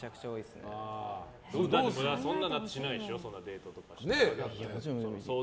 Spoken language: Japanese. そんなしないでしょデートとか。